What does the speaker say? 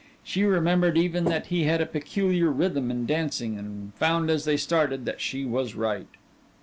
She remembered even that he had a peculiar rhythm in dancing and found as they started that she was right.